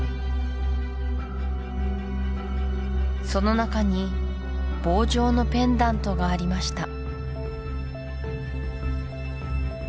その中に棒状のペンダントがありました